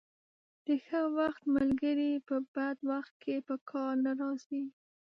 د ښه وخت ملګري په بد وخت کې په کار نه راځي.